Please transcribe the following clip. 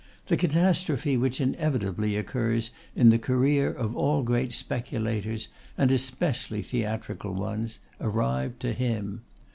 The catastrophe which inevitably occurs in the career of all great speculators, and especially theatrical ones, arrived to him.